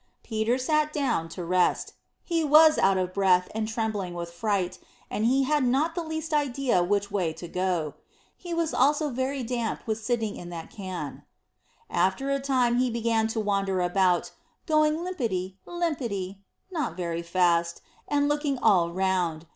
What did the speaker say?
Peter sat down, to rest; he was out of breath and trembling with fright, and he had not the least idea which way to go. Also he was very damp with sitting in that can. After a time he began to wander about, going lippity lippity not very fast, and looking all round.